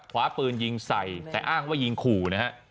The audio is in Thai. คว้าปืนยิงใส่แต่อ้างว่ายิงขู่นะฮะ